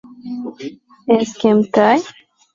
S Kem Ty?